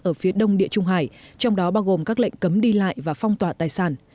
ở phía đông địa trung hải trong đó bao gồm các lệnh cấm đi lại và phong tỏa tài sản